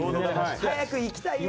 早く行きたいよ！